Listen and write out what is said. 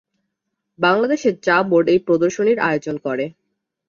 বাংলাদেশ চা বোর্ড এই প্রদর্শনীর আয়োজন করে।